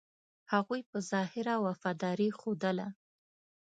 هغوی په ظاهره وفاداري ښودله.